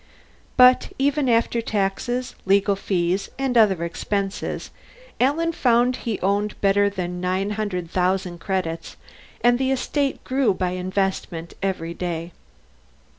But even after taxes, legal fees, and other expenses, Alan found he owned better than nine hundred thousand credits, and the estate grew by investment every day.